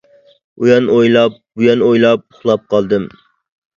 ئۇيان ئويلاپ، بۇيان ئويلاپ ئۇخلاپ قالدىم.